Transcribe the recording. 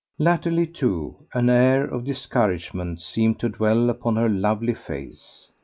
Latterly, too, an air of discouragement seemed to dwell upon her lovely face.